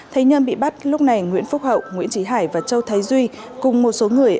thấy nhân bị bắt lúc này nguyễn phúc hậu nguyễn trí hải và châu thái duy cùng một số người